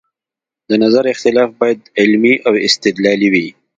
د نظر اختلاف باید علمي او استدلالي وي